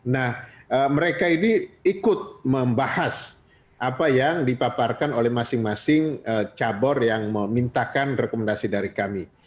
nah mereka ini ikut membahas apa yang dipaparkan oleh masing masing cabur yang memintakan rekomendasi dari kami